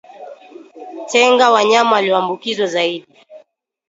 Tenga wanyama walioambukizwa zaidi